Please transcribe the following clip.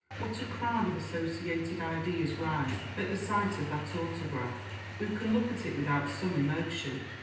"What a crowd of associated ideas rise at the sight of that autograph! who can look at it without some emotion?"